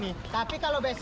maka tidak dapat